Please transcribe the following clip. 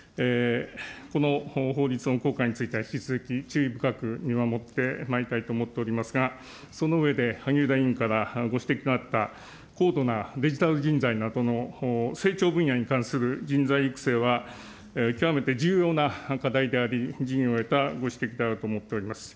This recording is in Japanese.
この法律の効果については、引き続き注意深く見守ってまいりたいと思っておりますが、その上で、萩生田委員からご指摘のあった、高度なデジタル人材などの成長分野に関する人材育成は、極めて重要な課題であり、時宜を得たご指摘だったと思っております。